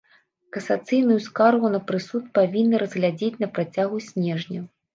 Касацыйную скаргу на прысуд павінны разгледзець на працягу снежня.